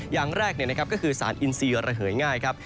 อย่างแรกก็คือสารอินซีระเหยง่ายครับ